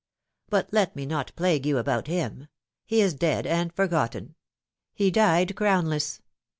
But let me not plague you about him. He is dead, and forgotten. He died crownless.